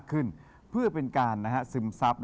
ขอบคุณครับ